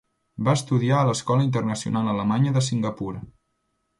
Va estudiar a l'Escola Internacional Alemanya de Singapur.